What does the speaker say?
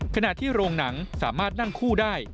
ขณะที่โรงหนังสามารถนั่งคู่ได้